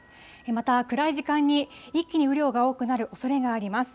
また、暗い時間に一気に雨量が多くなるおそれがあります。